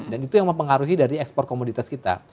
dan itu yang mempengaruhi dari ekspor komoditas kita